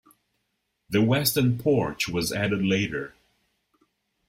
The western porch was added later.